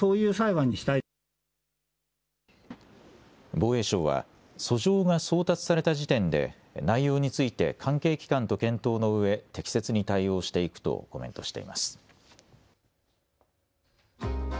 防衛省は訴状が送達された時点で内容について関係機関と検討のうえ適切に対応していくとコメントしています。